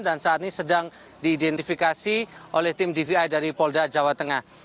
dan saat ini sedang diidentifikasi oleh tim dvi dari polda jawa tengah